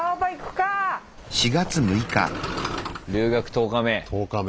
留学１０日目。